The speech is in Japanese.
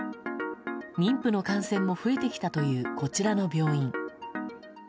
妊婦の感染も増えてきたというこちらの病院。